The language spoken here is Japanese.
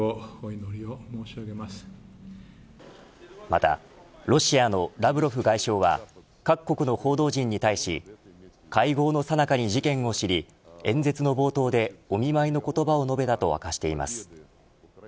またロシアのラブロフ外相は各国の報道陣に対し会合のさなかに事件を知り演説の冒頭でお見舞いの言葉を述べたと明かしています。